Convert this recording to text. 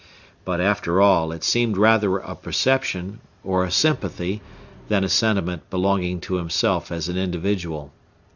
But, after all, it seemed rather a perception, or a sympathy, than a sentiment belonging to himself as an individual.